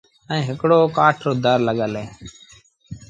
ائيٚݩ هڪڙو ڪآٺ رو در لڳل اهي۔